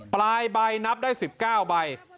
ปลายใบนับได้๑๙ใบ